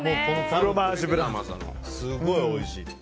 すごいおいしい。